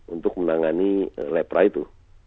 untuk menangani lepra itu